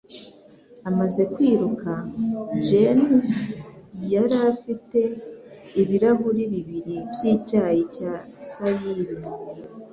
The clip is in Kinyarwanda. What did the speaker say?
Amaze kwiruka, Jane yari afite ibirahuri bibiri byicyayi cya sayiri.